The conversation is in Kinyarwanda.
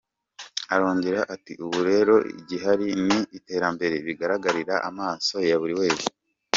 Arongera ati “Ubu rero igihari ni iterambere, bigaragarira amaso ya buri wese.